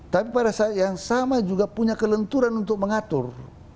tapi pada saat yang sama juga punya kelenturan untuk mengatur